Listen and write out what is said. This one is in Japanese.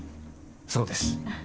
そうです。